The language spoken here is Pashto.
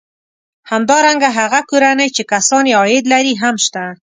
همدارنګه هغه کورنۍ چې کسان یې عاید لري هم شته